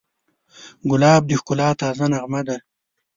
ګلاب د ښکلا تازه نغمه ده.